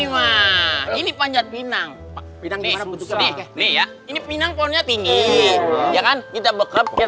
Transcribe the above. ini panjat pinang ini ya ini pinang pohonnya tinggi ya kan kita bekerja